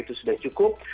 itu sudah cukup